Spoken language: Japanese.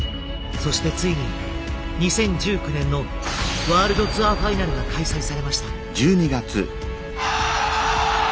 そしてついに２０１９年の「ワールドツアーファイナル」が開催されました。